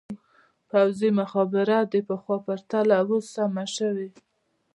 پوځي مخابره د پخوا په پرتله اوس سمه شوې.